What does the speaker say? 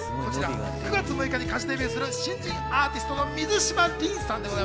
９月６日に歌手デビューする新人アーティストの水嶋凜さんです。